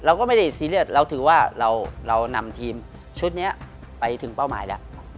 เราก็ไม่ได้ซีเรียสเราถือว่าเรานำทีมชุดนี้ไปถึงเป้าหมายแล้ว